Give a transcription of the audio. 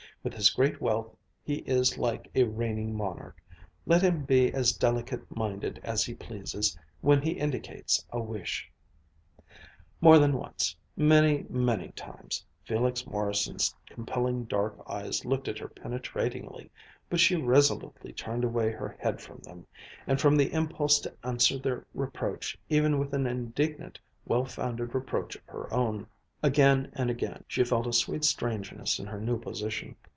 With his great wealth, he is like a reigning monarch let him be as delicate minded as he pleases, when he indicates a wish " More than once many, many times Felix Morrison's compelling dark eyes looked at her penetratingly, but she resolutely turned away her head from them, and from the impulse to answer their reproach even with an indignant, well founded reproach of her own. Again and again she felt a sweet strangeness in her new position.